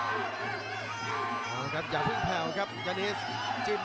ประโยชน์ทอตอร์จานแสนชัยกับยานิลลาลีนี่ครับ